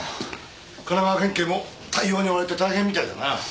神奈川県警も対応に追われて大変みたいだな